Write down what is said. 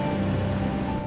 tidak ada yang bisa diberikan